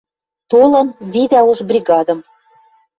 Толын — видӓ уж бригадым.